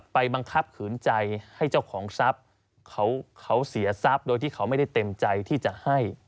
บังคับขืนใจให้เจ้าของทรัพย์เขาเสียทรัพย์โดยที่เขาไม่ได้เต็มใจที่จะให้